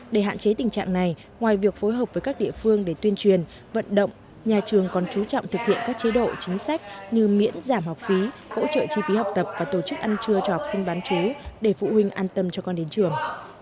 để hạn chế tình trạng này ngoài việc phối hợp với các địa phương để tuyên truyền vận động nhà trường còn chú trọng thực hiện các chế độ chính sách như miễn giảm học phí hỗ trợ chi phí học tập và tổ chức ăn trưa cho học sinh bán chú để phụ huynh an tâm cho con đến trường